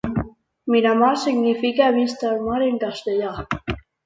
"Miramar" significa "vista al mar" en castellà.